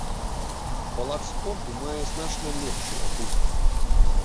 Палац спорту мае значна лепшую акустыку.